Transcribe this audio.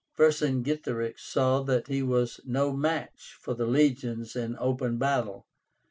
Vercingetorix saw that he was no match for the legions in open battle.